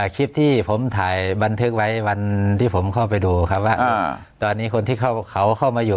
คลิปที่ผมถ่ายบันทึกไว้วันที่ผมเข้าไปดูครับว่าตอนนี้คนที่เขาเข้ามาอยู่